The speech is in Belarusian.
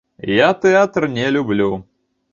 Я тэатр не люблю.